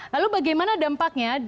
lalu bagaimana dampaknya